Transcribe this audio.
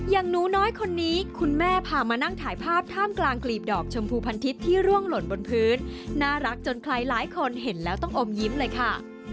อย่างหนูน้อยคนนี้คุณแม่พามานั่งถ่ายภาพท่ามกลางกลีบดอกชมพูพันทิศที่ร่วงหล่นบนพื้นน่ารักจนใครหลายคนเห็นแล้วต้องอมยิ้มเลยค่ะ